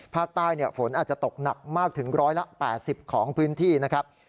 ภาคใต้ฝนอาจจะตกหนักมากถึง๑๘๐ของพื้นที่นะครับ